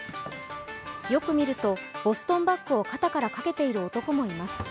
よく見ると、ボストンバッグを肩からかけている男もいます。